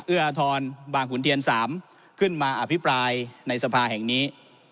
เอื้ออทรบางขุนเทียน๓ขึ้นมาอภิปรายในสภาแห่งนี้